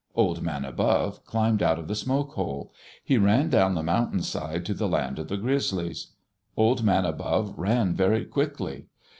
Old Man Above climbed out of the smoke hole. He ran down the mountain side to the land of the Grizzlies. Old Man Above ran very quickly.